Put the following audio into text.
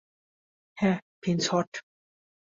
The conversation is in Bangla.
হ্যাঁ, ফিঞ্চ হট।